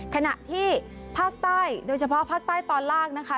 ขณะที่ภาคใต้โดยเฉพาะภาคใต้ตอนล่างนะคะ